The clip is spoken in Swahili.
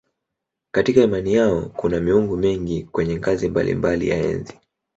Katika imani yao kuna miungu mingi kwenye ngazi mbalimbali ya enzi.